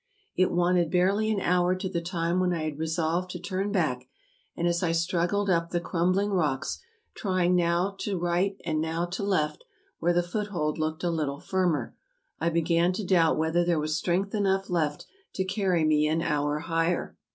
It wanted barely an hour to the time when I had resolved to turn back ; and as I struggled up the crumbling rocks, trying now to right and now to left, where the foothold looked a little firmer, I began to doubt whether there was strength enough left to carry me an hour higher.